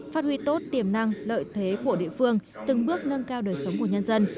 phát huy tốt tiềm năng lợi thế của địa phương từng bước nâng cao đời sống của nhân dân